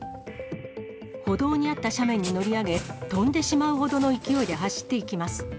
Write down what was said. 歩道にあった斜面に乗り上げ、飛んでしまうほどの勢いで走っていきます。